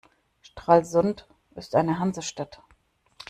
Stralsund ist eine Hansestadt.